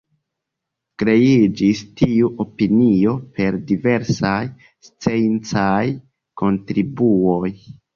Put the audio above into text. Kreiĝis tiu opinio per diversaj sciencaj kontribuoj.